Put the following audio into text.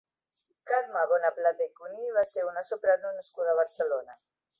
Carme Bonaplata i Cuní va ser una soprano nascuda a Barcelona.